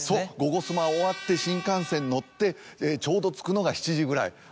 『ゴゴスマ』終わって新幹線乗ってちょうど着くのが７時ぐらい。